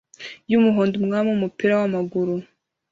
yumuhondo umwami umupira wamaguru